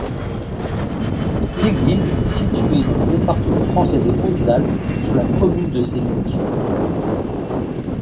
L'église est située dans le département français des Hautes-Alpes, sur la commune de Ceillac.